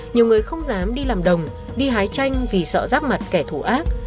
nhiều người không dám đi làm đồng đi hái chanh vì sợ rắc mặt kẻ thù ác